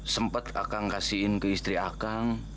sempat akan kasihin ke istri akan